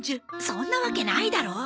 そんなわけないだろ！